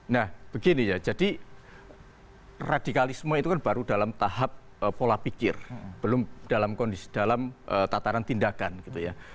nah begini ya jadi radikalisme itu kan baru dalam tahap pola pikir belum dalam kondisi dalam tataran tindakan gitu ya